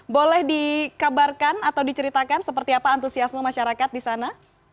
boleh dikabarkan atau diceritakan seperti apa antusiasme masyarakat di sana